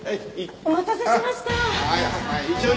お待たせしました！